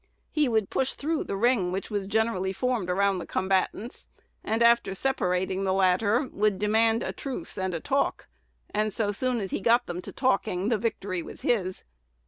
He would push through the "ring" which was generally formed around the combatants, and, after separating the latter, would demand a truce and "a talk;" and so soon as he got them to talking, the victory was his.